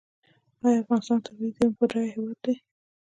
آیا افغانستان د طبیعي زیرمو بډایه هیواد دی؟